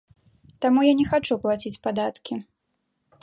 Таму я не хачу плаціць падаткі.